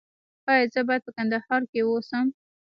ایا زه باید په کندهار کې اوسم؟